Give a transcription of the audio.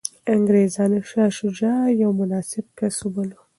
انګریزانو شاه شجاع یو مناسب کس وباله.